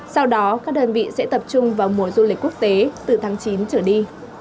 sau đó các đơn vị sẽ tập trung vào mùa du lịch quốc tế từ tháng chín trở đi